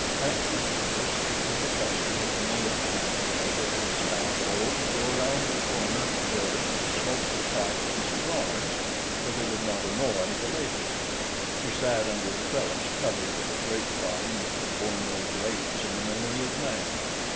After breakfast, it was the custom of the male half of the Jacobus household to go around the corner of the building and smoke their pipes and cigars where they would not annoy the ladies. We sat under a trellis covered with a grapevine that had borne no grapes in the memory of man.